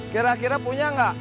kira kira punya nggak